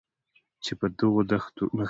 چې په دغو نښتو کې